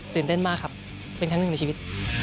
เต้นมากครับเป็นครั้งหนึ่งในชีวิต